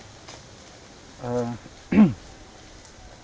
bagaimana berarti pak